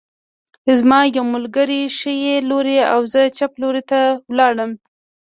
زما یو ملګری ښي لور او زه چپ لور ته لاړم